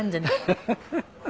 アハハハ。